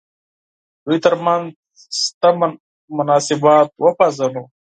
دوی تر منځ شته مناسبات وپېژنو.